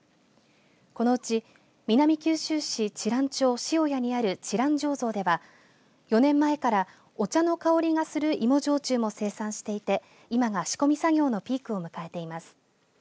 このうち南九州市知覧町塩屋にある知覧醸造では４年前から、お茶の香りがする芋焼酎も生産していて今が仕込み作業のピークを迎えてます。